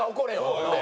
ほんで。